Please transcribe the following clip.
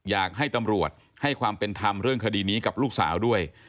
อยากให้ตำรวจให้ความเป็นธรรมเรื่องคดีนี้กับลูกสาวด้วย